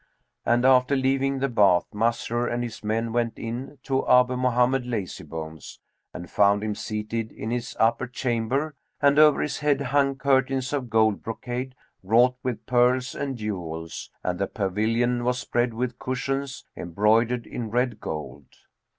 And after leaving the bath Masrur and his men went in to Abu Mohammed Lazybones and found him seated in his upper chamber; and over his head hung curtains of gold brocade, wrought with pearls and jewels, and the pavilion was spread with cushions, embroidered in red gold.